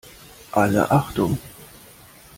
Alle Achtung!